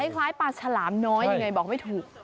ลักษณะคล้ายปลาฉลามน้อยบอกไม่ถูก